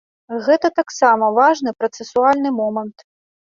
Гэта таксама важны працэсуальны момант.